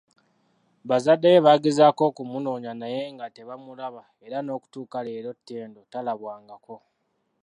Bazadde be baagezaako okumunoonya naye nga tebamulaba era n'okutuuka leero Ttendo talabwangako.